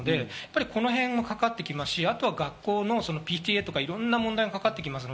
この辺にもかかってきますし、あとは学校のＰＴＡとか、いろんな問題もかかってきます。